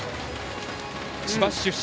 千葉市出身